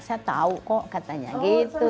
saya tahu kok katanya gitu